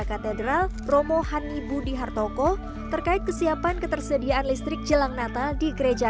katedral romo hani budi hartoko terkait kesiapan ketersediaan listrik jelang natal di gereja